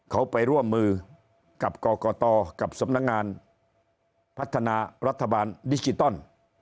เขาไปร่วมมือกับกรกตกับสำนักงานพัฒนารัฐบาลดิจิตอล